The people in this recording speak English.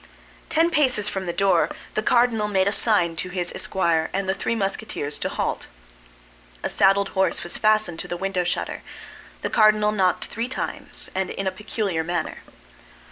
Ten paces from the door the cardinal made a sign to his esquire and the three Musketeers to halt. A saddled horse was fastened to the window shutter. The cardinal knocked three times, and in a peculiar manner.